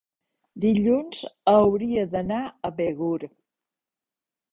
dilluns hauria d'anar a Begur.